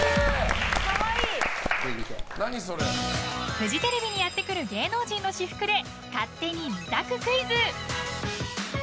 フジテレビにやってくる芸能人の私服で勝手に２択クイズ。